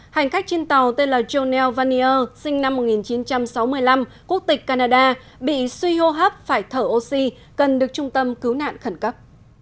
hành khách trên tàu tên là jonel vannier sinh năm một nghìn chín trăm sáu mươi năm quốc tịch canada bị suy hô hấp phải thở oxy cần được trung tâm cứu nạn khẩn cấp